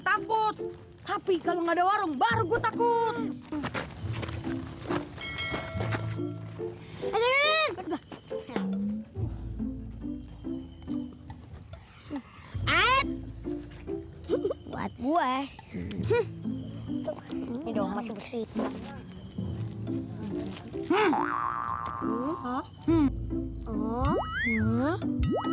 sampai jumpa di video selanjutnya